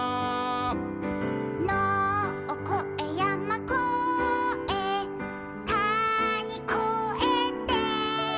「のをこえやまこえたにこえて」